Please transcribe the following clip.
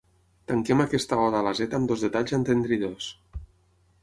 Tanquem aquesta oda a la zeta amb dos detalls entendridors.